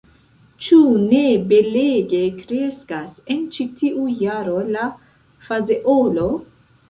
Ĉu ne belege kreskas en ĉi tiu jaro la fazeolo?